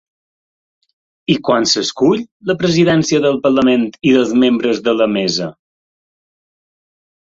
I quan s’escull la presidència del parlament i dels membres de la mesa?